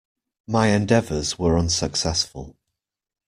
My endeavours were unsuccessful.